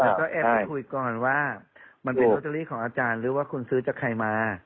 แล้วก็แอบไปคุยก่อนว่ามันเป็นโรตเตอรี่ของอาจารย์หรือว่าคุณซื้อจากใครมา